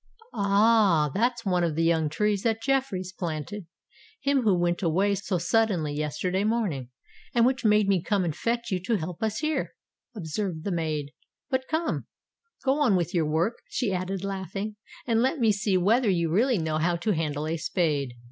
"Ah! that's one of the young trees that Jeffreys planted—him who went away so suddenly yesterday morning, and which made me come and fetch you to help us here," observed the maid. "But, come—go on with your work," she added, laughing; "and let me see whether you really know how to handle a spade."